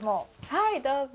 はいどうぞ。